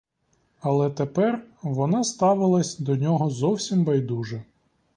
Але тепер вона ставилась до нього зовсім байдуже.